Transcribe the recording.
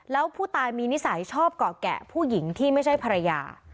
แล้วผู้ตายมีนิสัยชอบเกาะแกะผู้หญิงที่ไม่ใช่ภรรยา